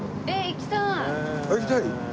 行きたい？